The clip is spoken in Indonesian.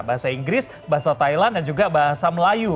bahasa inggris bahasa thailand dan juga bahasa melayu